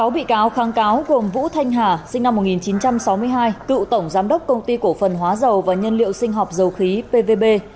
sáu bị cáo kháng cáo gồm vũ thanh hà sinh năm một nghìn chín trăm sáu mươi hai cựu tổng giám đốc công ty cổ phần hóa dầu và nhân liệu sinh học dầu khí pvb